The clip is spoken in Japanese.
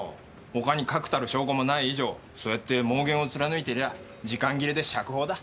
他に確たる証拠もない以上そうやって妄言をつらぬいてりゃ時間切れで釈放だ。